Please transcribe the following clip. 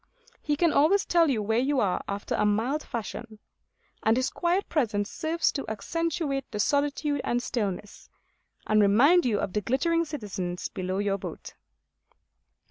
He can always tell you where you are after a mild fashion; and his quiet presence serves to accentuate the solitude and stillness, and remind you of the glittering citizens below your boat.